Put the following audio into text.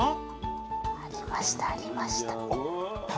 ありましたありました。